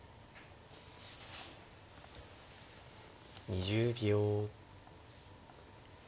２０秒。